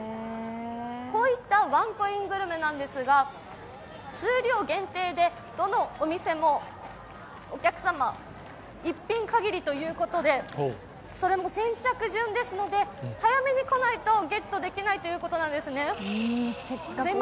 こういったワンコイングルメなんですが数量限定でどのお店もお客様１品限りということでそれも先着順ですので早めに来ないとゲットできないということです。